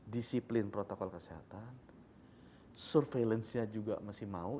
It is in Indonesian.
disiplin protokol kesehatan surveillance nya juga masih mau